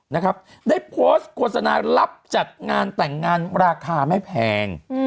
นะครับได้โพสต์โฆษณารับจัดงานแต่งงานราคาไม่แพง